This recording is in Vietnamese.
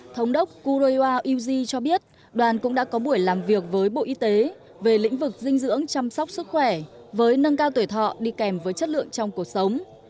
thống đốc kurea uji cho biết đoàn cũng đã có buổi làm việc với bộ y tế về lĩnh vực dinh dưỡng chăm sóc sức khỏe với nâng cao tuổi thọ đi kèm với chất lượng trong cuộc sống